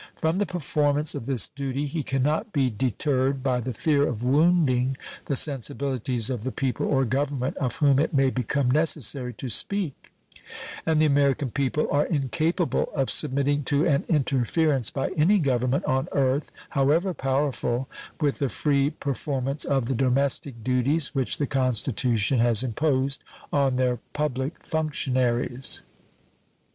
From the performance of this duty he can not be deterred by the fear of wounding the sensibilities of the people or government of whom it may become necessary to speak; and the American people are incapable of submitting to an interference by any government on earth, however powerful, with the free performance of the domestic duties which the Constitution has imposed on their public functionaries.